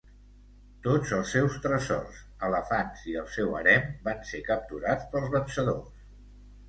Tots els seus tresors, elefants i el seu harem van ser capturats pels vencedors.